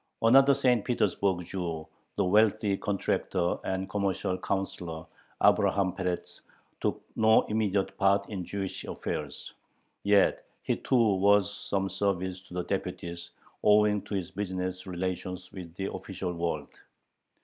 Another St. Petersburg Jew, the wealthy contractor and commercial councilor Abraham Peretz, took no immediate part in Jewish affairs. Yet he too was of some service to the deputies, owing to his business relations with the official world.